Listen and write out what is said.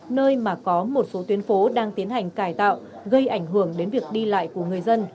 nơi mà có một số tuyến phố đang tiến hành cải tạo gây ảnh hưởng đến việc đi lại của người dân